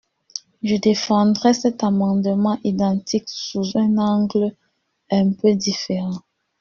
Je défendrai cet amendement identique sous un angle un peu différent.